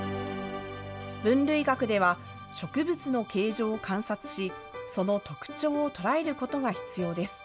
分類学では植物の形状を観察し、その特徴を捉えることが必要です。